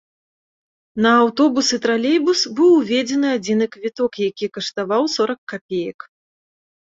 На аўтобус і тралейбус быў уведзены адзіны квіток, які каштаваў сорак капеек.